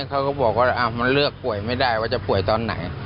เขาก็บอกว่ามันเลือกป่วยไม่ได้ว่าจะป่วยตอนไหน